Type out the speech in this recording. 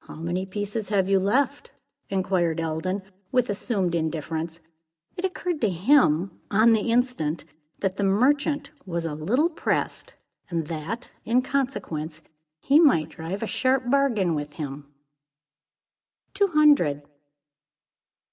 "How many pieces have you left?" inquired Eldon, with assumed indifference. It occurred to him, on the instant, that the merchant was a little pressed, and that, in consequence, he might drive a sharp bargain with him. "Two hundred."